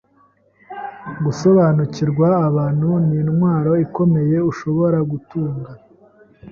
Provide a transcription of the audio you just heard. Gusobanukirwa abantu nintwaro ikomeye ushobora gutunga.